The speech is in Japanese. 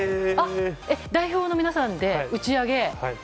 代表の皆さんで打ち上げ？